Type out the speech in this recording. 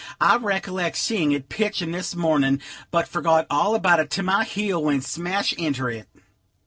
I recollect seeing it pitch in this mornin', but forgot all about it, till my heel went smash inter it.